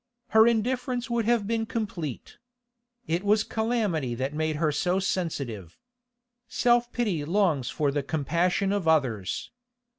Her indifference would have been complete. It was calamity that made her so sensitive. Self pity longs for the compassion of others.